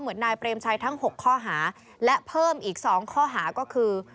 นายเปรมชัยทั้ง๖ข้อหาและเพิ่มอีก๒ข้อหาก็คือ